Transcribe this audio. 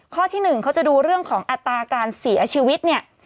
ข้อที่๑เขาจะดูเรื่องของอัตราการเสียชีวิตเนี่ย